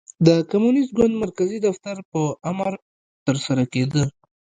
د کمونېست ګوند مرکزي دفتر په امر ترسره کېده.